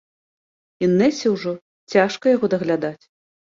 Інэсе ўжо цяжка яго даглядаць.